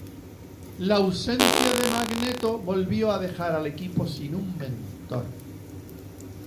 La ausencia de Magneto volvió a dejar al equipo sin un mentor.